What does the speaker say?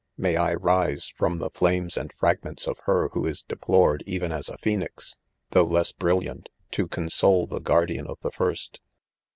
May I rise from the flamesand fragments of her, who is deplored, even as a phoenix, though less brilliant, to con sole the guardian 'of the first.